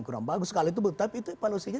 kurang bagus kalau itu betul tapi itu evaluasinya